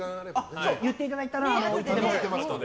言っていただいたら、いつでも。